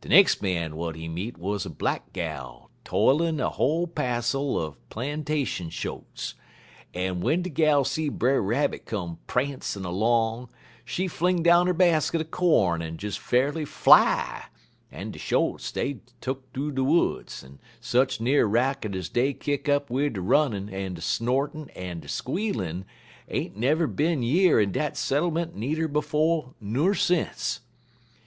De nex' man w'at he meet wuz a black gal tollin' a whole passel er plantation shotes, en w'en de gal see Brer Rabbit come prancin' 'long, she fling down 'er basket er corn en des fa'rly fly, en de shotes, dey tuck thoo de woods, en sech n'er racket ez dey kick up wid der runnin', en der snortin', en der squealin' ain't never bin year in dat settlement needer befo' ner since.